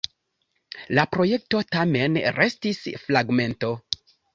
La projekto tamen restis fragmento.